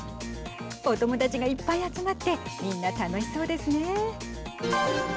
お友達がいっぱい集まってみんな楽しそうですね。